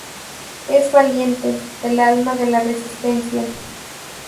Es valiente: el alma de la resistencia.